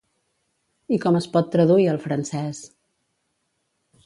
I com es pot traduir al francès?